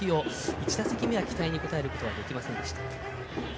１打席目は期待に応えることができませんでした。